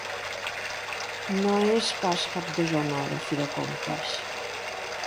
No és pas cap deshonor, a fi de comptes.